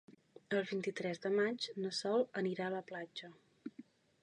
El vint-i-tres de maig na Sol anirà a la platja.